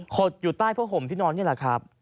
ดอยู่ใต้ผ้าห่มที่นอนนี่แหละครับ